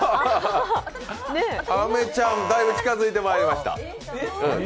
あめちゃん、だいぶ近づいてまいりました。